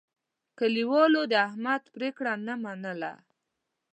کلیوالو د احمد پرېکړه نه منله.